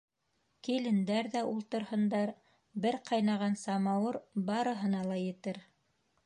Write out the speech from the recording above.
Килендәр ҙә ултырһындар, бер ҡайнаған самауыр барыһына ла етер.